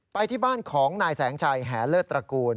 ไปที่บ้านของนายแสงชัยแหเลิศตระกูล